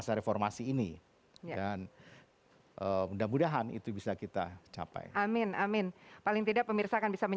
jangan lupa untuk berikan duit kepada tuhan